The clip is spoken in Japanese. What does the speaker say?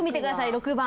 ６番。